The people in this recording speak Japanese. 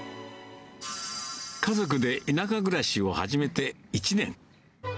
家族で田舎暮らしを始めて１年。